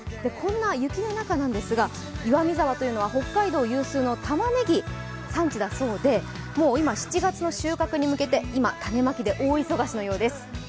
こんな雪の中なんですけれども、岩見沢というのは北海道有数のたまねぎ、産地だそうで今７月の収穫に向けて今、種まきで大忙しのようです。